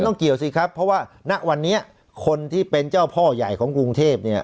เกี่ยวสิครับเพราะว่าณวันนี้คนที่เป็นเจ้าพ่อใหญ่ของกรุงเทพเนี่ย